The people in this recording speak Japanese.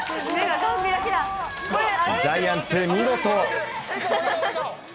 ジャイアンツ、見事。